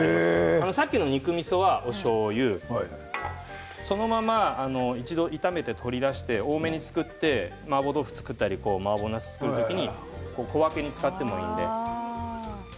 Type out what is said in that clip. さっきの肉みそはおしょうゆ、そのまま一度炒めて取り出して多めに作ってマーボー豆腐を作ったりマーボーなすを作ったり小分けに使ってもいいので。